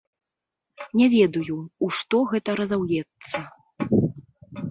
Не ведаю, у што гэта разаўецца.